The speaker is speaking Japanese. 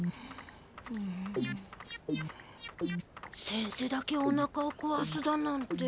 せんせだけおなかをこわすだなんて。